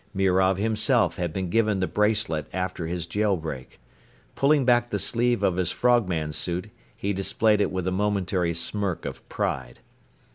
Mirov himself had been given the bracelet after his jail break. Pulling back the sleeve of his frogman suit, he displayed it with a momentary smirk of pride.